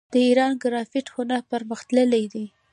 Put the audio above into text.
د ایران ګرافیک هنر پرمختللی دی.